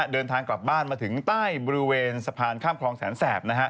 เดินทางกลับบ้านมาถึงใต้บริเวณสะพานข้ามคลองแสนแสบ